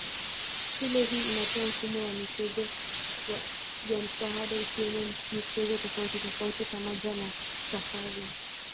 Shule hii inatoa mfumo wa michezo ya ziada ikiwemo michezo tofautitofauti pamoja na safari.